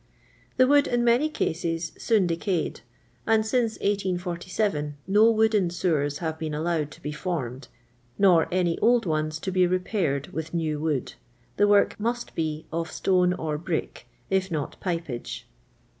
The wood, in many eases, soon decayed, and since 1847 no wooden sewers have been allowed to be fonned, nor any old ones to be re paired with saw wood ; the wock must be of stone or brick, if not pipeage.